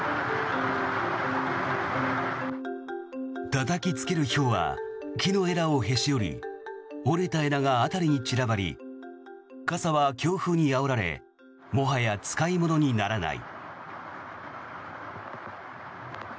たたきつけるひょうは木の枝をへし折り折れた枝が辺りに散らばり傘は強風にあおられもはや使い物にならない。